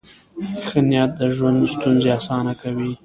ښه نیت د ژوند ستونزې اسانه کوي.